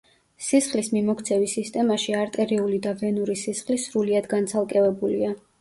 სისხლის მიმოქცევის სისტემაში არტერიული და ვენური სისხლი სრულიად განცალკევებულია.